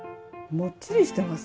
もっちりしてます。